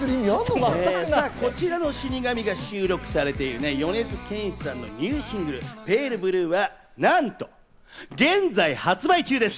さぁ、こちらの『死神』が収録されている米津玄師さんのニューシングル『ＰａｌｅＢｌｕｅ』はなんと現在発売中です！